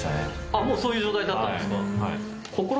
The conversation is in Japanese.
あっもうそういう状態だったんですか。